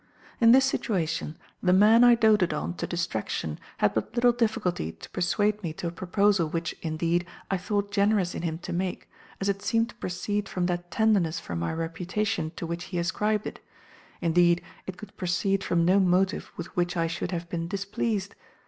"In this situation, the man I doated on to distraction had but little difficulty to persuade me to a proposal which, indeed, I thought generous in him to make, as it seemed to proceed from that tenderness for my reputation to which he ascribed it; indeed, it could proceed from no motive with which I should have been displeased.